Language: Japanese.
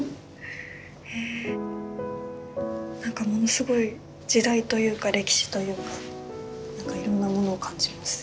へえ何かものすごい時代というか歴史というか何かいろんなものを感じます